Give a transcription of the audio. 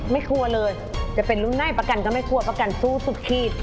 ไม่ควรเลยจะเป็นรุ่นในป้ากันก็ไม่ควรป้ากันสู้สุดขีด